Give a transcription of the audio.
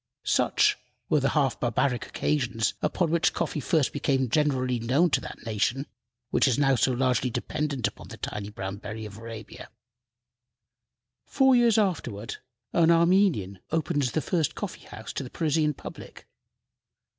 Such were the half barbaric occasions upon which coffee first became generally known to that nation which is now so largely dependent upon the tiny brown berry of Arabia. Four years afterward an Armenian opened the first coffee house to the Parisian public.